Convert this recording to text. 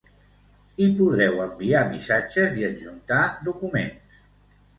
Hi podreu enviar missatges i adjuntar documents.